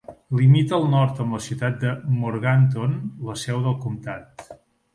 Limita al nord amb la ciutat de Morganton, la seu del comtat.